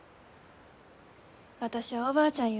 私はおばあちゃんゆう